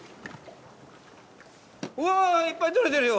うわいっぱい捕れてるよ。